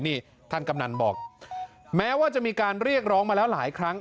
นี่ท่านกำนันบอกแม้ว่าจะมีการเรียกร้องมาแล้วหลายครั้ง